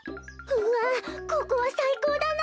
うわここはさいこうだな。